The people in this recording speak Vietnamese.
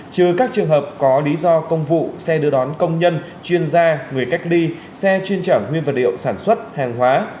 trừ các trường hợp có lý do công vụ xe đưa đón công nhân chuyên gia người cách ly xe chuyên chở nguyên vật liệu sản xuất hàng hóa